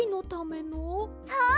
そう！